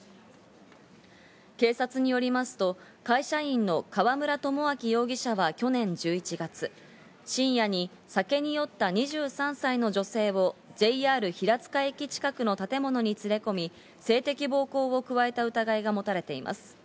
警察によりますと会社員の河村友章容疑者は去年１１月、深夜に酒に酔った２３歳の女性をＪＲ平塚駅近くの建物に連れ込み、性的暴行を加えた疑いが持たれています。